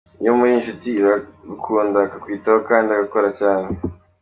Iyo muri inshuti aragukunda akakwitaho kandi agakora cyane.